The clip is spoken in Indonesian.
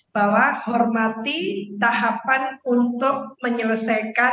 bahwa hormati tahapan untuk menyelesaikan